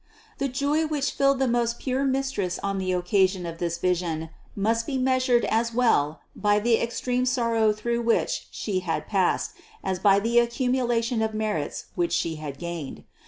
735. The joy which filled the most pure Mistress on the occasion of this vision must be measured as well by the extreme sorrow through which She had passed as by the accumulation of merits which She had gained.